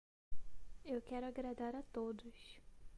Eu quero agradar a todos.